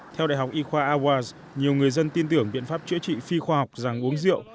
theo đại học y khoa awaz nhiều người dân tin tưởng biện pháp chữa trị phi khoa học rằng uống rượu